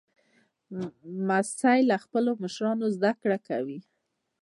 لمسی له خپلو مشرانو زدهکړه کوي.